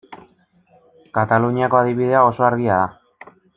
Kataluniako adibidea oso argia da.